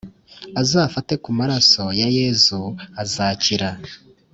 Azafate ku maraso ya yezu azakira